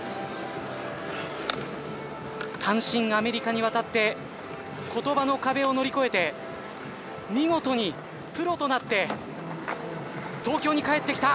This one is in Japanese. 単身アメリカに渡って言葉の壁を乗り越えて見事にプロとなって東京に帰ってきた！